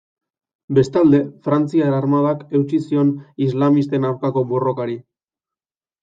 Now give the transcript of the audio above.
Bestalde, frantziar armadak eutsi zion islamisten aurkako borrokari.